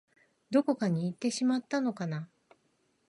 どこかにいってしまったのかな